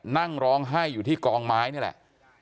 นั่งร้องไห้อยู่ที่กองไม้นี่แหละ